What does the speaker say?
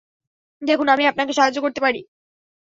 দেখুন, আমি আপনাকে সাহায্য করতে পারি।